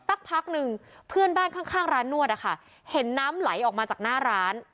สักพักหนึ่งเพื่อนบ้านข้างร้านนวดนะคะเห็นน้ำไหลออกมาจากหน้าร้าน